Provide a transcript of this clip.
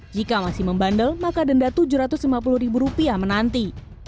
jika masih membandel maka denda rp tujuh ratus lima puluh ribu rupiah menanti